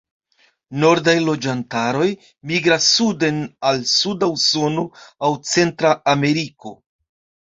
Nordaj loĝantaroj migras suden al suda Usono aŭ Centra Ameriko.